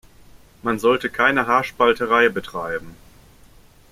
Man sollte keine Haarspalterei betreiben.